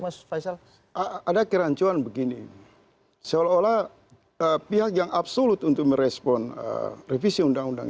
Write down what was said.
mas faisal ada kerancuan begini seolah olah pihak yang absolut untuk merespon revisi undang undang